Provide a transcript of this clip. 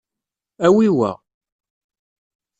Awi wa.